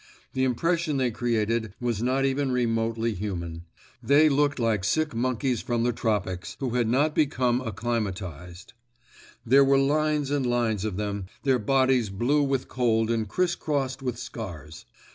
The impression they created was not even remotely human; they looked like sick monkeys from the tropics who had not became acclimatised. There were lines and lines of them, their bodies blue with cold and criss crossed with scars.